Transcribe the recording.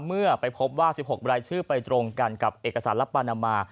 เมื่อไปพบว่า๑๖รายชื่อไปตรงกันกับเอกสารลับปานามา